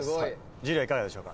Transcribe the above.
樹はいかがでしょうか。